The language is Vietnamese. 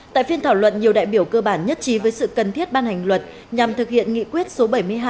tại phiên thảo luận nhiều đại biểu cơ bản nhất trí với sự cần thiết ban hành luật nhằm thực hiện nghị quyết số bảy mươi hai hai nghìn một mươi tám